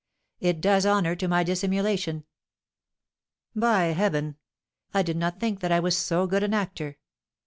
It does honour to my dissimulation. By heaven, I did not think that I was so good an actor!